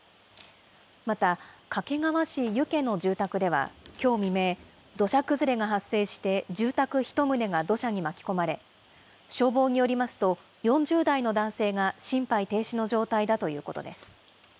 また、掛川市遊家の住宅では、きょう未明、土砂崩れが発生して住宅１棟が土砂に巻き込まれ、消防によりますと、４０代の男性が心肺停止の状態だということです。